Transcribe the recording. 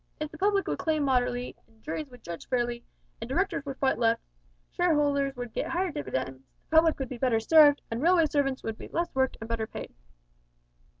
If the public would claim moderately, and juries would judge fairly, an' directors would fight less, shareholders would git higher dividends, the public would be better served, and railway servants would be less worked and better paid."